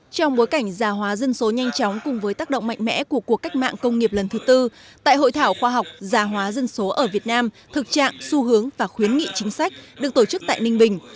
trong bối cảnh gia hóa dân số nhanh chóng cùng với tác động mạnh mẽ của cuộc cách mạng công nghiệp lần thứ tư tại hội thảo khoa học giả hóa dân số ở việt nam thực trạng xu hướng và khuyến nghị chính sách được tổ chức tại ninh bình